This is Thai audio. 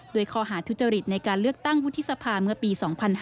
โดยข้อหาทุจริตในการเลือกตั้งวุฒิสภาเมื่อปี๒๕๕๙